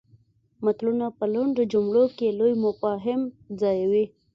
متلونه په لنډو جملو کې لوی مفاهیم ځایوي